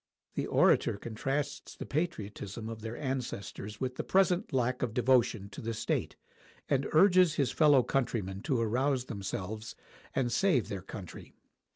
[The orator contrasts the patriotism of their ancestors with the present lack of devotion to the state, and urges his fellow countrymen to arouse themselves and save their country.